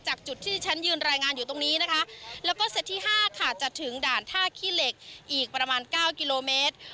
จุดที่ที่ฉันยืนรายงานอยู่ตรงนี้นะคะแล้วก็เซตที่๕ค่ะจะถึงด่านท่าขี้เหล็กอีกประมาณเก้ากิโลเมตร